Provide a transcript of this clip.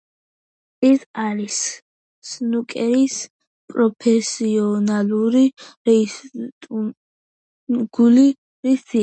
ეს არის სნუკერის პროფესიონალური რეიტინგული ტურნირების სია.